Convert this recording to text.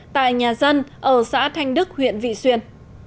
tại nhà dân ở xã thanh đức huyện vị xuyên